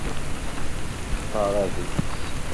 Ɣeṛ adlis!